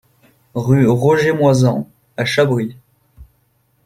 Rue Roger Moisan à Chabris